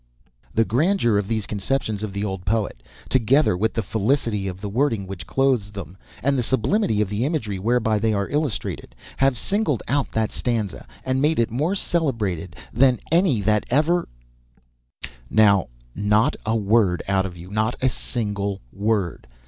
The grandeur of these conceptions of the old poet, together with the felicity of the wording which clothes them, and the sublimity of the imagery whereby they are illustrated, have singled out that stanza, and made it more celebrated than any that ever ["Now, not a word out of you not a single word.